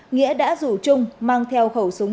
nghĩa đã rủ trung mang theo khẩu súng